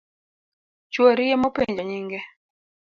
Chuori emopenjo nyinge.